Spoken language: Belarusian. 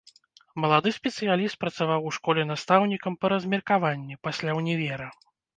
Малады спецыяліст працаваў у школе настаўнікам па размеркаванні, пасля ўнівера.